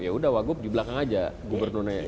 ya udah wagub di belakang aja gubernurnya